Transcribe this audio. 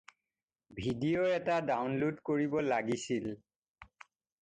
Video এটা download কৰিব লাগিছিল।